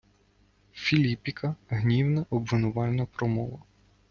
Філіппіка — гнівна обвинувальна промова